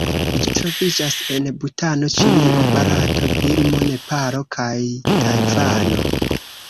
Ĝi troviĝas en Butano, Ĉinio, Barato, Birmo, Nepalo kaj Tajvano.